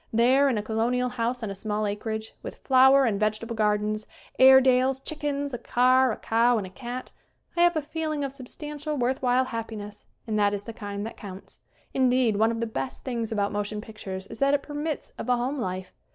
There, in a colonial house on a small acreage, with flower and vegetable gardens, Airedales, chickens, a car, a cow, and a cat, I have a feeling of sub stantial worth while happiness and that is the kind that counts. Indeed, one of the best things about motion pictures is that it permits of a home life.